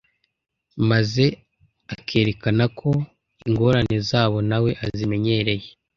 maze akerekana ko ingorane zabo na we azimenyereye.